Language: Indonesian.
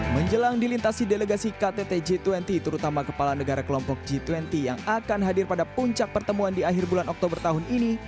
menjelang dilintasi delegasi ktt g dua puluh terutama kepala negara kelompok g dua puluh yang akan hadir pada puncak pertemuan di akhir bulan oktober tahun ini